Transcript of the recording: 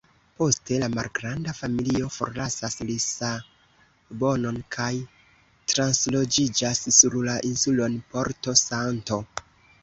Poste la malgranda familio forlasas Lisabonon kaj transloĝiĝas sur la insulon Porto-Santo.